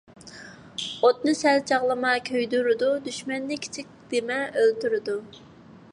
ئوتنى سەل چاغلىما، كۆيدۈرىدۇ، دۈشمەننى كىچىك دىمە، ئۆلتۈرىدۇ.